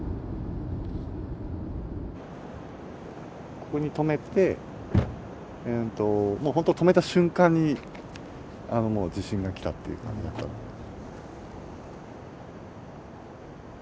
ここに止めてえっともう本当止めた瞬間にあのもう地震が来たっていう感じだったんで。